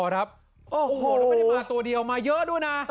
แล้วไม่ได้มาตัวเดียวมาเยอะด้วยนะ